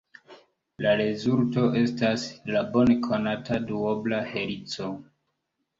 La rezulto estas la bone konata duobla helico.